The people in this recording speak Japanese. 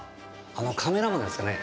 あのカメラマンですかね。